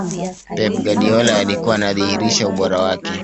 pep guardiola alikuwa anadhirisha ubora wake